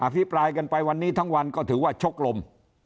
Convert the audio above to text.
พิปรายกันไปวันนี้ทั้งวันก็ถือว่าชกลม